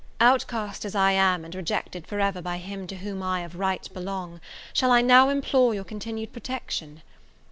Outcast as I am, and rejected for ever by him to whom I of right belong shall I now implore your continued protection?